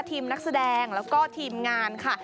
ทีมนักแสดงแล้วก็ทีมงานค่ะ